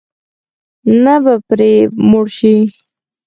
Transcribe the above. نه به پرې موړ شې.